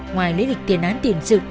ngoài lý địch tiền án tiền sự